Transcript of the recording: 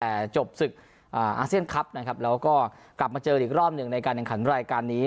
แต่จบศึกอาเซียนคลับนะครับแล้วก็กลับมาเจออีกรอบหนึ่งในการแข่งขันรายการนี้